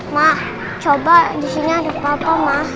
ma coba di sini aduk papa ma